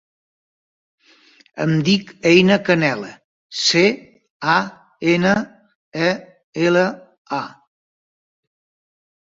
Em dic Einar Canela: ce, a, ena, e, ela, a.